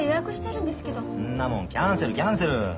んなもんキャンセルキャンセル。